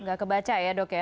nggak kebaca ya dok ya